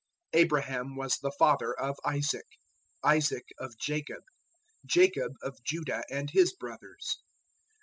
001:002 Abraham was the father of Isaac; Isaac of Jacob; Jacob of Judah and his brothers.